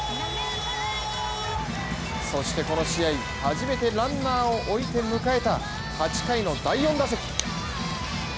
そしてこの試合初めてランナーを置いて迎えた８回の第４打席。